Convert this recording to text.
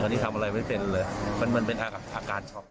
ตอนนี้ทำอะไรไม่เป็นเลยมันเหมือนเป็นอาการช็อก